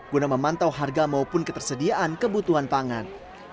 guna memantau harga maupun ketersediaan kebutuhan pangan